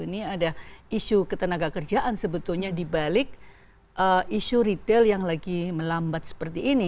ini ada isu ketenaga kerjaan sebetulnya dibalik isu retail yang lagi melambat seperti ini